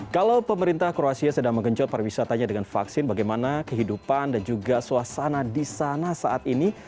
kalau pemerintah kroasia sedang menggenjot pariwisatanya dengan vaksin bagaimana kehidupan dan juga suasana di sana saat ini